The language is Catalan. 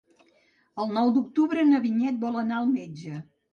El nou d'octubre na Vinyet vol anar al metge.